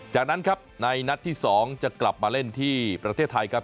จากนั้นครับในนัดที่๒จะกลับมาเล่นที่ประเทศไทยครับ